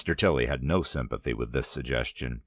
Tilly had no sympathy with this suggestion.